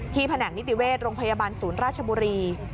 แผนกนิติเวชโรงพยาบาลศูนย์ราชบุรี